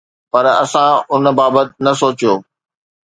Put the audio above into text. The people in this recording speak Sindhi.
پر اسان ان بابت نه سوچيو.